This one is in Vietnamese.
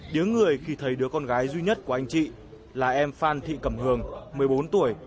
điếng người khi thấy đứa con gái duy nhất của anh chị là em phan thị cẩm hường một mươi bốn tuổi